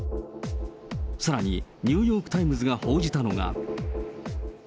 さらにニューヨーク・タイムズが報じたのが。